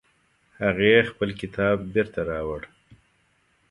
هغې خپل کتاب بیرته راوړ